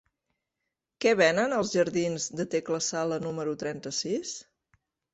Què venen als jardins de Tecla Sala número trenta-sis?